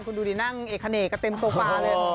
คุณดูดินั่งเอกะเนกะเต็มตัวปลาเลย